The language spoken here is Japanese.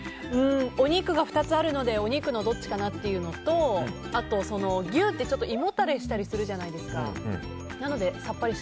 お肉が２つあるのでお肉のどっちかなというのとあとは牛って胃もたれしたりするじゃないですか。